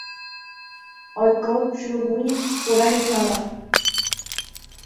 Oiko chugui puraheihára